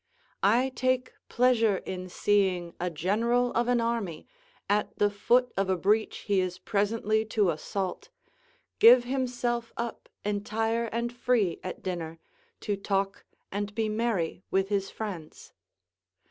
I take pleasure in seeing a general of an army, at the foot of a breach he is presently to assault, give himself up entire and free at dinner, to talk and be merry with his friends.